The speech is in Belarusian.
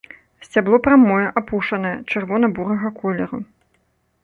Сцябло прамое, апушанае, чырвона-бурага колеру.